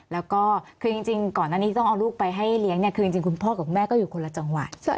แล้วก็คือจริงก่อนหน้านี้ที่ต้องเอาลูกไปให้เลี้ยงเนี่ยคือจริงคุณพ่อกับคุณแม่ก็อยู่คนละจังหวัด